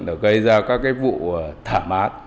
đã gây ra các vụ thảm án